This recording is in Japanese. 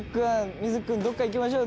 「瑞稀君どこか行きましょうよ。